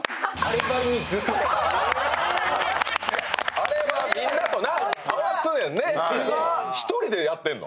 あれはみんなと合わすんやね、１人でやってるの？